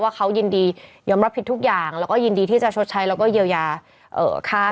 เขายินดียอมรับผิดทุกอย่างแล้วก็ยินดีที่จะชดใช้แล้วก็เยียวยาค่า